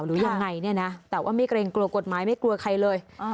หรือยังไงเนี่ยนะแต่ว่าไม่เกรงกลัวกฎหมายไม่กลัวใครเลย